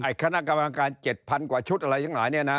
คณะกรรมการ๗๐๐กว่าชุดอะไรทั้งหลายเนี่ยนะ